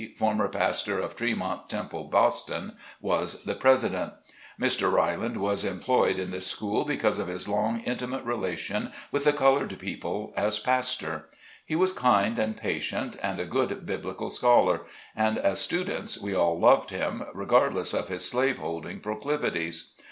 former pastor of Tremont Temple, Boston, was the President. Mr. Riland was employed in this school because of his long intimate relation with the colored people as pastor. He was kind and patient, and a good biblical scholar, and as students we all loved him, regardless of his slave holding proclivities.